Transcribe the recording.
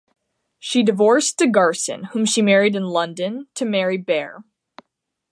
She divorced De Garson, whom she married in London, to marry Baer.